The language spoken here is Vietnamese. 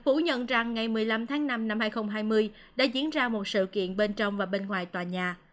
phủ nhận rằng ngày một mươi năm tháng năm năm hai nghìn hai mươi đã diễn ra một sự kiện bên trong và bên ngoài tòa nhà